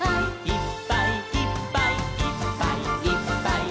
「いっぱいいっぱいいっぱいいっぱい」